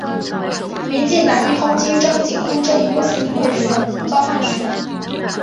民进党亦抨击张锦昆阵营多次因贿选罪遭判刑。